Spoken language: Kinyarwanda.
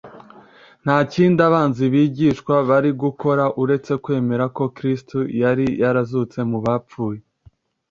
Nta kindi abanzi b’abigishwa bari gukora uretse kwemera ko Kristo yari yarazutse mu bapfuye.